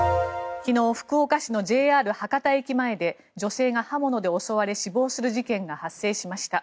昨日、福岡市のＪＲ博多駅前で女性が刃物で襲われ死亡する事件が発生しました。